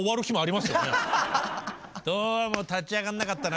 「どうも立ち上がんなかったな」